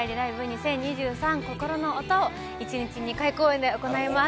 ２０２３ココロノオトヲ１日２回公演で行います